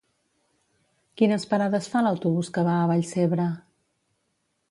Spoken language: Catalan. Quines parades fa l'autobús que va a Vallcebre?